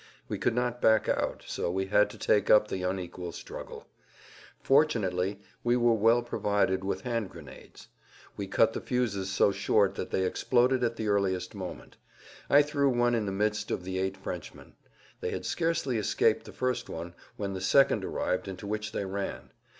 We could not back out, so we had to take up the unequal struggle. Fortunately we were well provided with hand grenades. We cut the fuses so short that they exploded at the earliest moment. I threw one in the midst of the eight Frenchmen. They had scarcely escaped the first one, when the second arrived into which they ran.